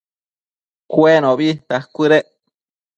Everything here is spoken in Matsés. Cuenobi dacuëdec